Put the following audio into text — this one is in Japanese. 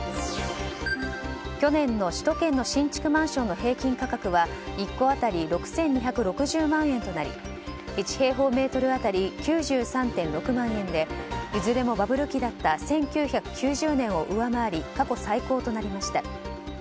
去年の首都圏の新築マンションの平均価格は１戸当たり６２６０万円となり１平方メートル当たり９３．６万円でいずれもバブル期だった１９９０年を上回り過去最高となりました。